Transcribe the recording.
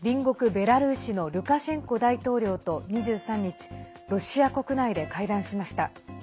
ベラルーシのルカシェンコ大統領と２３日ロシア国内で会談しました。